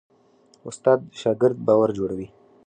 استاد د شاګرد باور جوړوي.